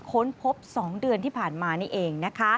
ค้นพบ๒เดือนที่ผ่านมานี่เองนะคะ